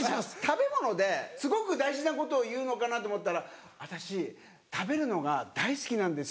食べ物ですごく大事なことを言うのかなと思ったら「私食べるのが大好きなんですよ」。